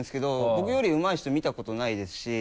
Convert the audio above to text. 僕より上手い人見たことないですし。